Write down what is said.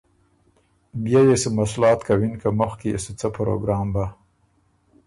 بيې يې سو مسلات کوِن که مُخکی يې سو څۀ پروګرام بَۀ۔